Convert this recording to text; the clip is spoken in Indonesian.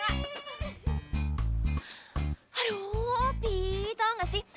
aduh opi tau nggak sih